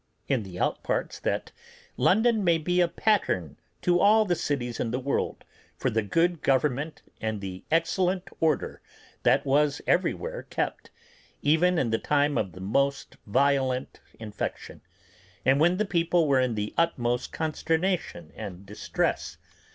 in the outparts, that London may be a pattern to all the cities in the world for the good government and the excellent order that was everywhere kept, even in the time of the most violent infection, and when the people were in the utmost consternation and distress.